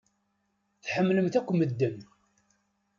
Tḥemmlemt akk medden.